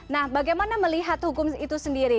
nah bagaimana melihat hukum itu sendiri